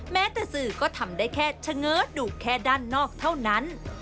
แม้แต่สื่อก็ทำได้แค่เฉง้อดูแค่ด้านนอกเท่านั้น